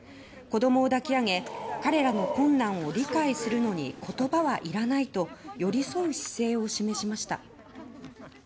子供を抱き上げ彼らの困難を理解するのに言葉はいらないと寄り添う姿勢を示しました。